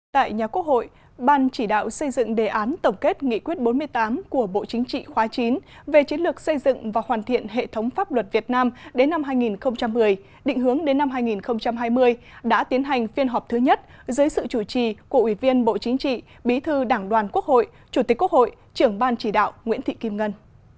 tại nhà quốc hội ban chỉ đạo xây dựng đề án tổng kết nghị quyết bốn mươi tám của bộ chính trị khóa chín về chiến lược xây dựng và hoàn thiện hệ thống pháp luật việt nam đến năm hai nghìn một mươi định hướng đến năm hai nghìn hai mươi đã tiến hành phiên họp thứ nhất dưới sự chủ trì của ủy viên bộ chính trị bí thư đảng đoàn quốc hội chủ tịch quốc hội trưởng ban chỉ đạo nguyễn thị kim ngân